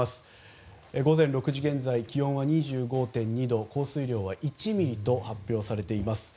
午前６時現在気温は２５．２度降水量は１ミリと発表されています。